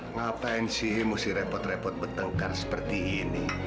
ngapain sih mesti repot repot bertengkar seperti ini